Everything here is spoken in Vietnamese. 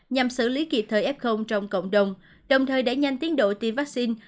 nhằm xử lý kịp thời f trong cộng đồng đồng thời đẩy nhanh tiến độ tiêm vaccine